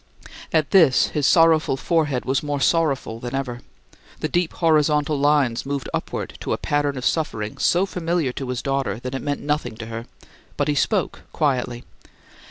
At this his sorrowful forehead was more sorrowful than ever. The deep horizontal lines moved upward to a pattern of suffering so familiar to his daughter that it meant nothing to her; but he spoke quietly.